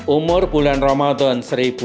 empat umur bulan ramadan